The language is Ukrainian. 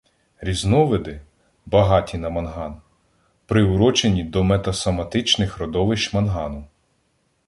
Різновиди, багаті на манган, приурочені до метасоматичних родовищ мангану.